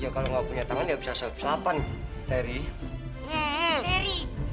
ya kalau nggak punya tangan ya bisa suapan teri teri